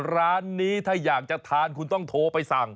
ร้านนี้ถ้าอยากจะทานคุณต้องโทรไปสั่ง